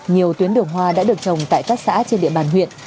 nhiều tuyến đường hoa đã được trồng tại các xã trên địa bàn huyện